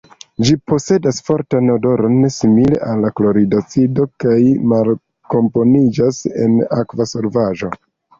Ĝi posedas fortan odoron simile al klorida acido kaj malkomponiĝas en akva solvaĵo.